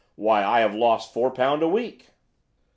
"Why, I have lost four pound a week."